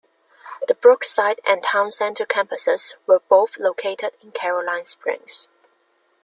The Brookside and Town Centre campuses were both located in Caroline Springs.